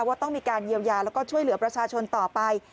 ว่าต้องมีการเยียวยาแล้วก็ช่วยเหลือประชาชนต่อไป